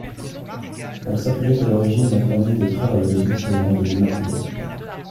Elle s'appelait à l'origine la Famille des Travailleuses missionnaires de l'Immaculée.